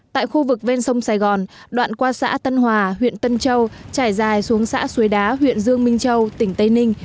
tại khu vực ven sông sài gòn đoạn qua xã tân hòa huyện tân châu trải dài xuống xã suối đá huyện dương minh châu tỉnh tây ninh